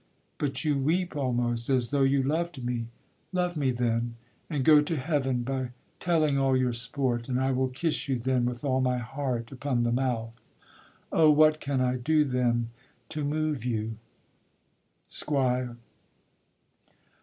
but you weep Almost, as though you loved me; love me then, And go to Heaven by telling all your sport, And I will kiss you then with all my heart, Upon the mouth: O! what can I do then To move you? SQUIRE.